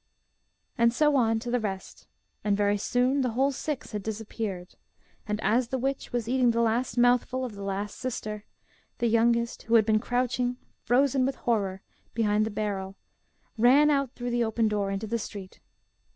And so on to the rest; and very soon the whole six had disappeared. And as the witch was eating the last mouthful of the last sister, the youngest, who had been crouching, frozen with horror, behind the barrel, ran out through the open door into the street.